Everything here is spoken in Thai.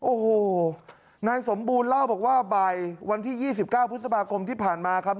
โอ้โหนายสมบูรณ์เล่าบอกว่าบ่ายวันที่๒๙พฤษภาคมที่ผ่านมาครับ